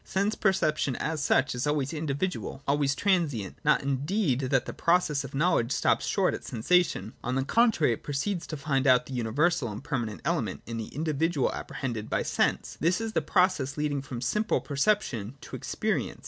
Sense perception as such is always individual, always transient : not indeed that the pro cess of knowledge stops short at sensation : on the contrary, it proceeds to find out the universal and permanent element in the individual apprehended by sense. This is the pro cess leading from simple perception to experience.